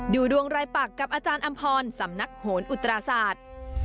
ดูดวงรายปักกับอาจารย์อำพรสำนักโหนอุตราศาสตร์